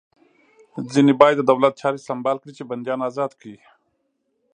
ځینې باید د دولت چارې سمبال کړي چې بندیان ازاد کړي